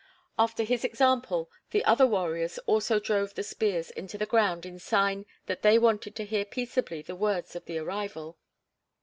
After his example, the other warriors also drove the spears into the ground in sign that they wanted to hear peaceably the words of the arrival.